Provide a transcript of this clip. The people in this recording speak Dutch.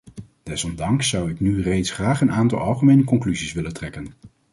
Desondanks zou ik nu reeds graag een aantal algemene conclusies willen trekken.